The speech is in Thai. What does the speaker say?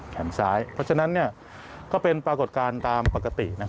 ซ้ายเพราะฉะนั้นก็เป็นปรากฏการณ์ตามปกติ